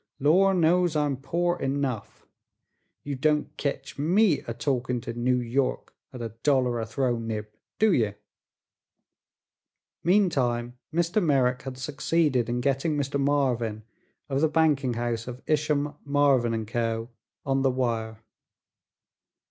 "Lor' knows I'm poor enough. You don't ketch me a talkin' to New York at a dollar a throw, Nib, do ye?" Meantime Mr. Merrick had succeeded in getting Mr. Marvin, of the banking house of Isham, Marvin & Co., on the wire.